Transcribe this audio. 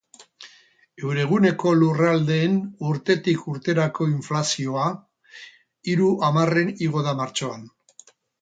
Euroguneko lurraldeen urtetik urterako inflazioa hiru hamarren igo da martxoan.